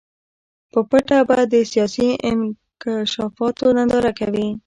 په پټه به د سیاسي انکشافاتو ننداره کوي.